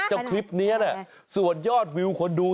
คลิปนี้ส่วนยอดวิวคนดู